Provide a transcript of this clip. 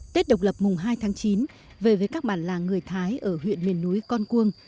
tết độc lập mùng hai tháng chín về với các bản làng người thái ở huyện miền núi con cuông